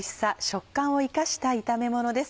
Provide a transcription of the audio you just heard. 食感を生かした炒めものです。